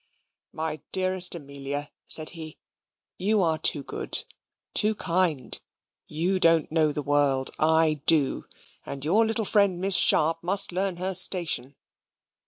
"My dearest Amelia," said he, "you are too good too kind. You don't know the world. I do. And your little friend Miss Sharp must learn her station."